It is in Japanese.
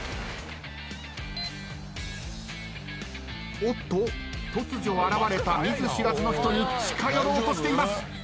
おっと。突如現れた見ず知らずの人に近寄ろうとしています。